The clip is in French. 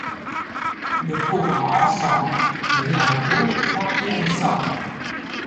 Le pot à encens devient un pot pour contenir les cendres.